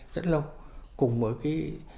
rất lâu cùng với cái